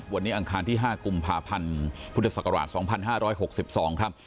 วันนี้อังคารที่๕กุมภาพันธ์พุทธศักราช๒๕๖๒ครับ